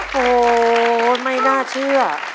โธ่วไม่น่าเชื่อ